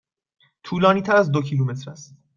طولانی تر از دو کیلومتر است.